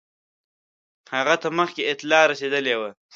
هغه ته مخکي اطلاع رسېدلې وه.